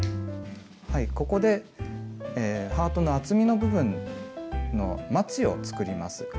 ここでハートの厚みの部分のまちを作ります。